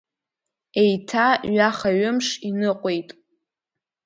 Еиҭа ҩаха-ҩымш иныҟәеит.